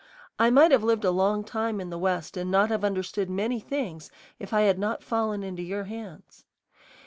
I might have lived a long time in the West and not have understood many things if I had not fallen into your hands.